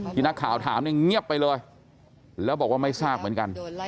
ที่นักข่าวถามเนี่ยเงียบไปเลยแล้วบอกว่าไม่ทราบเหมือนกัน